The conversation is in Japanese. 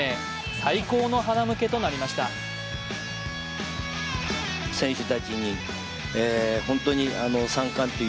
最高のはなむけとなりました。